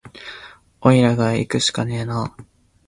おいらがいくしかねえな